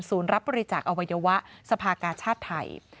รับบริจาคอวัยวะสภากาชาติไทย